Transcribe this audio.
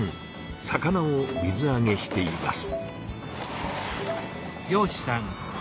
魚を水あげしています。